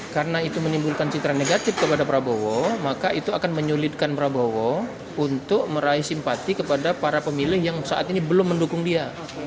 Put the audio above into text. karena itu menimbulkan citra negatif kepada prabowo maka itu akan menyulitkan prabowo untuk meraih simpati kepada para pemilih yang saat ini belum mendukung dia